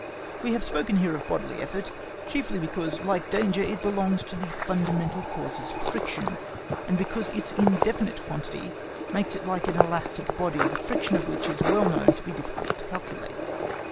We have spoken here of bodily effort, chiefly because, like danger, it belongs to the fundamental causes of friction, and because its indefinite quantity makes it like an elastic body, the friction of which is well known to be difficult to calculate.